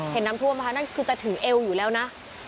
เห็นน้ำท่วมไหมคะนั่นคือจะถึงเอวอยู่แล้วนะ